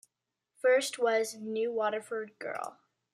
First, was "New Waterford Girl".